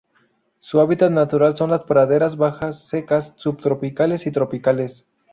Su hábitat natural son las praderas bajas secas subtropicales y tropicales.